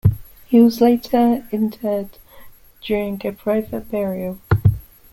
He was later interred during a private burial.